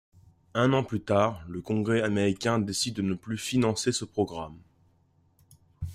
Un an plus tard le Congrès américain décide de ne plus financer ce programme.